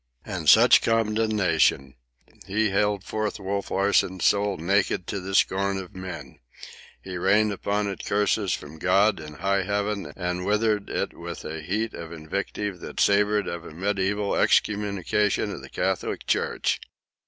And such condemnation! He haled forth Wolf Larsen's soul naked to the scorn of men. He rained upon it curses from God and High Heaven, and withered it with a heat of invective that savoured of a mediæval excommunication of the Catholic Church.